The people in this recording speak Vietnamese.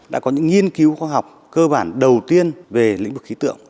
đã có những nghiên cứu khoa học cơ bản đầu tiên về lĩnh vực khí tượng